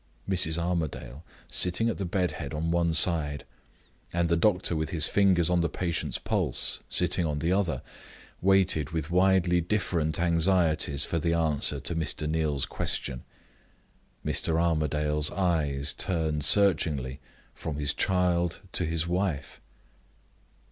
Mrs. Armadale, sitting at the bed head on one side, and the doctor, with his fingers on the patient's pulse, sitting on the other, waited with widely different anxieties for the answer to Mr. Neal's question. Mr. Armadale's eyes turned searchingly from his child to his wife.